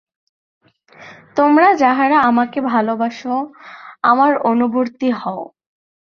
তোমরা যাহারা আমাকে ভালোবাস, আমার অনুবর্তী হও।